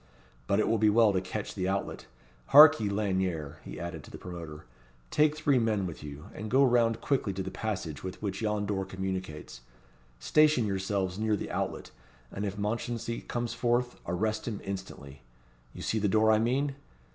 But it will be well to watch the outlet. Hark ye, Lanyere," he added to the promoter, "take three men with you, and go round quickly to the passage with which yon door communicates. Station yourselves near the outlet; and if Mounchensey comes forth, arrest him instantly. You see the door I mean?